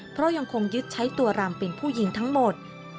เพราะยังคงยึดใช้ตัวรำเป็นผู้หญิงทั้งหมด